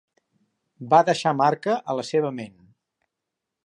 Va deixar marca a la seva ment.